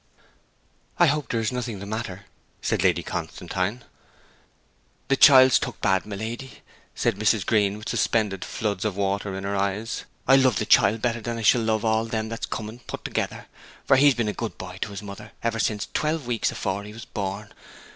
'I hope there's nothing the matter?' said Lady Constantine. 'The child's took bad, my lady!' said Mrs. Green, with suspended floods of water in her eyes. 'I love the child better than I shall love all them that's coming put together; for he's been a good boy to his mother ever since twelve weeks afore he was born!